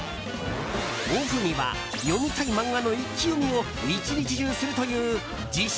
オフには読みたい漫画の一気読みを一日中するという自称